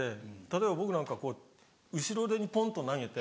例えば僕なんかこう後ろ手にポンと投げて。